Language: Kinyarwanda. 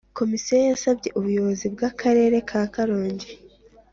Komisiyo yasabye Ubuyobozi bw Akarere ka Karongi